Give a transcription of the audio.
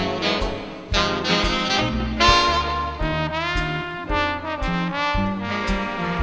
ขอบความจากฝ่าให้บรรดาดวงคันสุขสิทธิ์